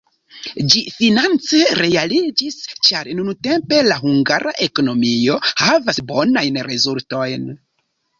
Ĝi finance realiĝis, ĉar nuntempe la hungara ekonomio havas bonajn rezultojn.